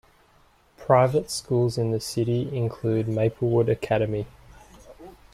Private schools in the city include Maplewood Academy.